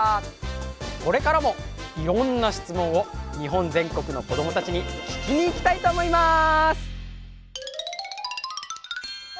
これからもいろんな質問を日本全国の子どもたちに聞きに行きたいと思います！